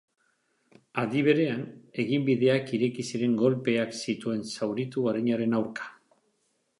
Aldi berean, eginbideak ireki ziren kolpeak zituen zauritu arinaren aurka.